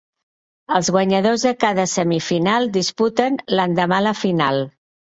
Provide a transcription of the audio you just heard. Els guanyadors de cada semifinal disputen, l'endemà la final.